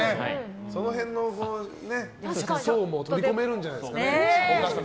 その辺の層も取り込めるんじゃないですかね。